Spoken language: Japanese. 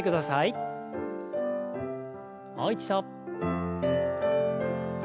もう一度。